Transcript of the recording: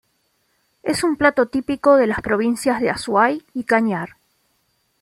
Es un plato típico de las provincias de Azuay y Cañar.